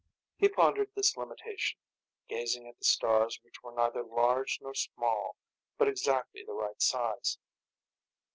He pondered this limitation, gazing at the stars which were neither large nor small, but exactly the right size.